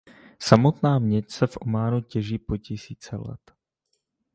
Samotná měď se v Ománu těží po tisíce let.